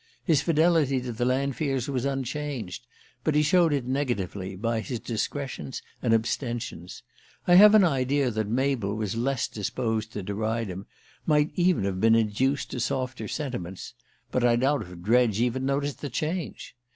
His fidelity to the Lanfears was unchanged; but he showed it negatively, by his discretions and abstentions. I have an idea that Mabel was less disposed to deride him, might even have been induced to softer sentiments; but I doubt if Dredge even noticed the change.